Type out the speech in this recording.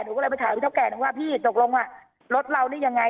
หนูก็เลยไปถามพี่เท่าแก่นึงว่าพี่ตกลงรถเรานี่ยังไง